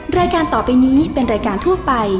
รายการต่อไปนี้เป็นรายการทั่วไป